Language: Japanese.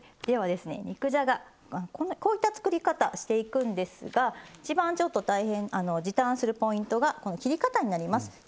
ではですね肉じゃがはこういった作り方していくんですが一番ちょっと大変時短するポイントがこの切り方になります。